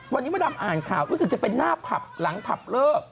วันนี้มดดำอ่านข่าวรู้สึกจะเป็นหน้าผับหลังผับเลิก